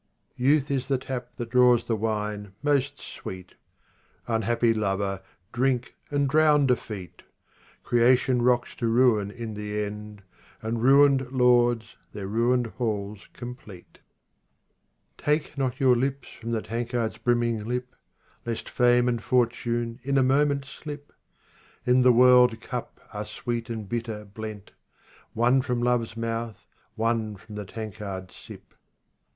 Youth is the tap that draws the wine most sweet. Unhappy lover, drink and drown defeat ! Creation rocks to ruin in the end, Apd ruined lords their ruined halls complete, RUBAIYAT OF HAFIZ 41 8 Take not your lips from the tankard's brimming lip, Lest fame and fortune in a moment slip. In the world cup are sweet and bitter blent ; One from love's mouth, one from the tankard sip.